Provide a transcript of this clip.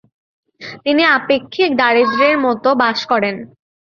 তিনি আপেক্ষিক দারিদ্র্যের মধ্যে বাস করেন।